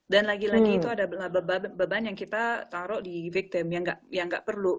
dan lagi lagi itu ada beban yang kita taruh di victim yang gak perlu